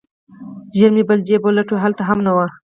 ژر مې بل جيب ولټاوه هلته هم نه و.